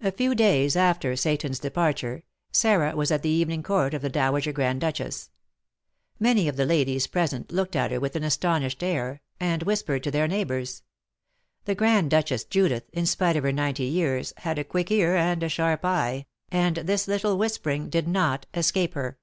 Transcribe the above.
A few days after Seyton's departure, Sarah was at the evening court of the Dowager Grand Duchess. Many of the ladies present looked at her with an astonished air, and whispered to their neighbours. The Grand Duchess Judith, in spite of her ninety years, had a quick ear and a sharp eye, and this little whispering did not escape her.